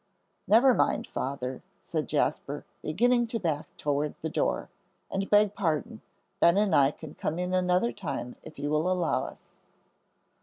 "Never mind, Father," said Jasper, beginning to back toward the door, "and beg pardon, Ben and I can come in another time if you will allow us."